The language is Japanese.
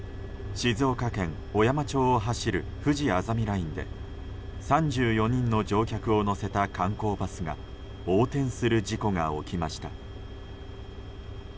静岡県小山町を走るふじあざみラインで３４人の乗客を乗せた観光バスが横転する事故が起きました。